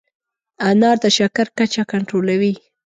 انار د شکر کچه کنټرولوي.